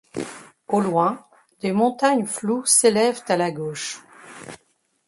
Au loin, des montagnes floues s'élèvent à la gauche.